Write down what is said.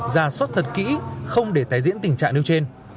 ra soát thật kỹ không để tái diễn tình trạng nêu trên